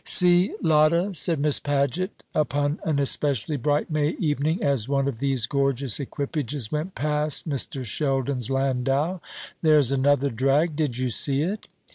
"See, Lotta," said Miss Paget, upon an especially bright May evening, as one of these gorgeous equipages went past Mr. Sheldon's landau, "there's another drag. Did you see it?"